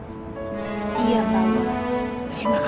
kalau begitu saya panggil dulu